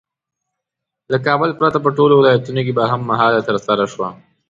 له کابل پرته په ټولو ولایتونو کې په هم مهاله ترسره شوه.